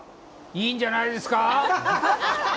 いいんじゃないですか？